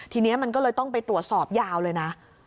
ทีนี้มันก็เลยต้องไปตรวจสอบยาวเลยนะ